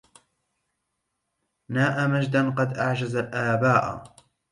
ناء مجداً قد أعجز الآباءَ